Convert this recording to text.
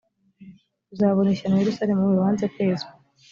uzabona ishyano yerusalemu we wanze kwezwa